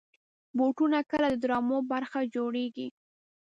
بوټونه کله د ډرامو برخه جوړېږي.